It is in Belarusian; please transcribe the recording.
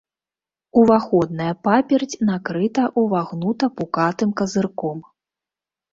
Уваходная паперць накрыта ўвагнута-пукатым казырком.